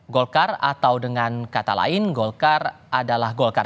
golkar atau dengan kata lain golkar adalah golkar